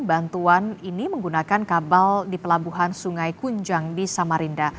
bantuan ini menggunakan kabel di pelabuhan sungai kunjang di samarinda